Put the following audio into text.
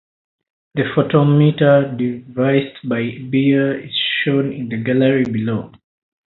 The photometer, devised by Beer, is shown in the gallery below.